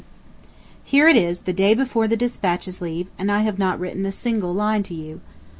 Here it is the day before the despatches leave and I have not written a single line to you.